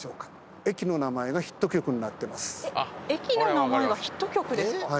駅の名前がヒット曲ですか。